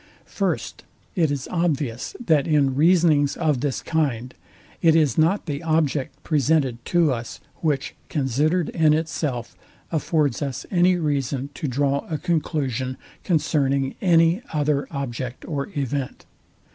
First, It is obvious, that in reasonings of this kind, it is not the object presented to us, which, considered in itself, affords us any reason to draw a conclusion concerning any other object or event.